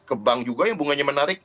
ke bank juga yang bunganya menarik